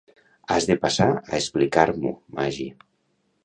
Has de passar a explicar-m'ho, Maggie.